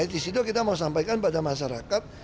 di situ kita mau sampaikan pada masyarakat